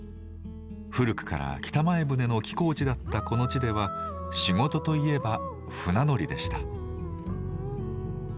古くから北前船の寄港地だったこの地では仕事といえば船乗りでした。